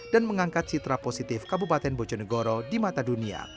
dan mengangkat sitra positif kabupaten bojo negoro di mata dunia